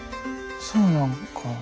そうなんか。